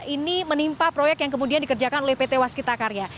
ini menimpa proyek yang kemudian dikerjakan oleh pt waskita karya